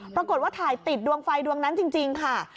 ปรากฏว่าถ่ายติดดวงไฟดวงนั้นจริงค่ะ